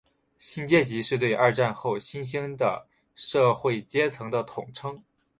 新阶级是对二战后新兴的社会阶层的统称。